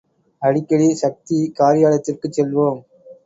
அடிக்கடி சக்தி காரியாலயத்திற்குச் செல்வோம்.